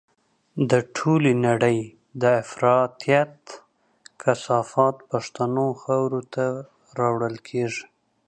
د ټولې نړۍ د افراطيت کثافات پښتنو خاورو ته راوړل کېږي.